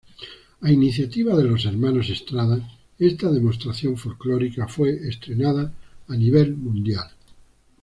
A iniciativa de los hermanos Estrada esta demostración folclórica fue estrenada a nivel mundial.